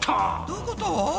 どういうこと？